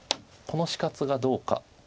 この死活がどうか。